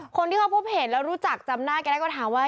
คนที่เขาพบเห็นแล้วรู้จักจำหน้าแกได้ก็ถามว่า